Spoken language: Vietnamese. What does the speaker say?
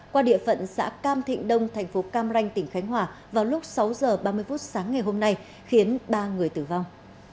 qua địa phận xã cam thịnh đông thành phố cam ranh tỉnh khánh hòa vào lúc sáu h ba mươi phút sáng ngày hôm nay khiến ba người tử vong